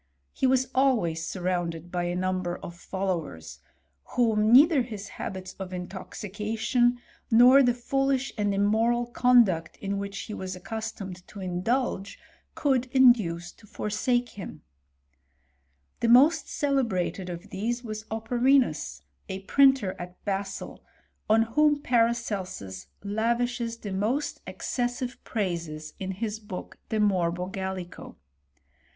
He was always surrounded by a number of followers, whom neither his habits of in toxication, nor the foolish and immoral conduct in which he was accustomed to indulge, could induce to forsake him. • The most celebrated of these was Operinus, a printer at Basle, on whom Paracelsus * Opera Paracelsi, i. 243. f Ibid., ii. 84. 150 HifttORT O^ CdEUlSTAI^. lavishes the most excessive praises, in his book De Morbo Clallico.